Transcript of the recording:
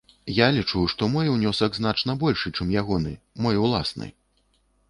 Я лічу, што мой унёсак значна большы, чым ягоны, мой уласны.